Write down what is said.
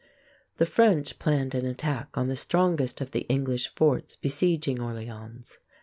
The French planned an attack on the strongest of the English forts besieging Orléans.